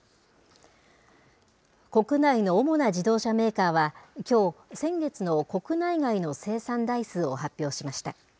国内の主な自動車メーカーは、きょう、先月の国内外の生産台数を発表しました。